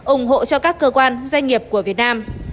ủng hộ cho các cơ quan doanh nghiệp của việt nam